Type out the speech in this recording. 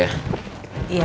iya pak regat